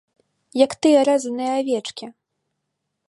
Як тыя рэзаныя авечкі.